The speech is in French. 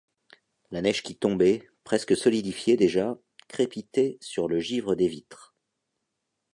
La neige qui tombait, presque solidifiée déjà, crépitait sur le givre des vitres.